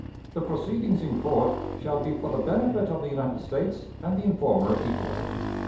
The proceedings in court shall be for the benefit of the United States and the informer equally.